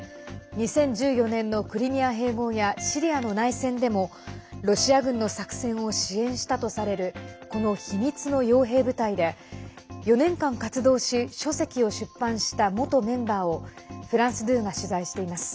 ２０１４年のクリミア併合やシリアの内戦でもロシア軍の作戦を支援したとされるこの秘密のよう兵部隊で４年間、活動し書籍を出版した元メンバーをフランス２が取材しています。